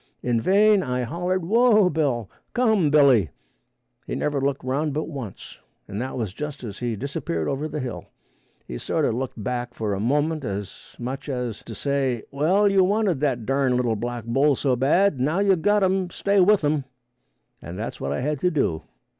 In vain I hollered, "Whoa, Bill; come, Billy," he never looked around but once, and that was just as he disappeared over the hill. He sort a looked back for a moment, as much as to say, "Well you wanted that darn little black bull so bad, now you got him stay with him," and that's what I had to do.